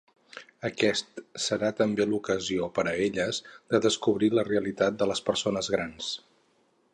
Aquest serà també l'ocasió per elles de descobrir la realitat de les persones grans.